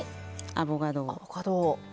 アボカドを。